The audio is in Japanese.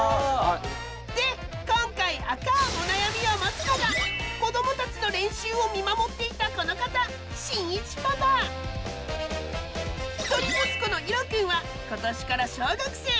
で今回アカンお悩みを持つのが子どもたちの練習を見守っていたこの方一人息子のイロくんは今年から小学生。